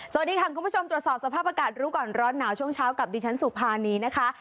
สวัสดีค่ะคุณผู้ชมตรวจสอบสภาพอากาศรู้ก่อนร้อนหนาวช่วงเช้ากับดิฉันสุภานีนะคะ